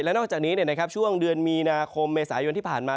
นอกจากนี้ช่วงเดือนมีนาคมเมษายนที่ผ่านมา